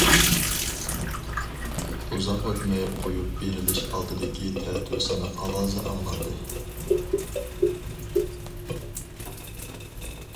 ئۇزاق ئۆتمەي قويۇپ بېرىلىش ئالدىدىكى تەتۈر ساناق ئاۋازى ئاڭلاندى.